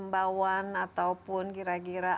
bawaan ataupun kira kira